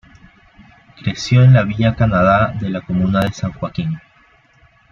Creció en la villa Canadá de la comuna de San Joaquín.